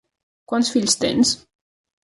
Quants fills tens?